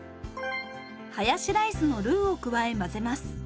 ハヤシライスのルーを加え混ぜます。